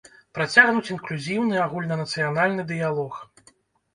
Працягнуць інклюзіўны агульнанацыянальны дыялог.